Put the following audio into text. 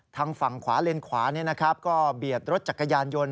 ทางฝั่งขวาเลนขวาก็เบียดรถจักรยานยนต์